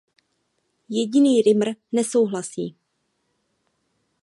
Jediný Rimmer nesouhlasí.